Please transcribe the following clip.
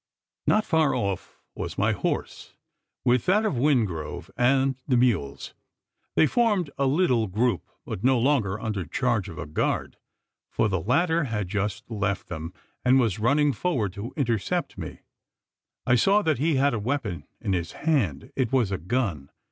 Not far off, was my horse with that of Wingrove, and the mules. They formed a little group but no longer under charge of a guard: for the latter had just left them, and was running forward to intercept me. I saw that he had a weapon in his hand. It was a gun.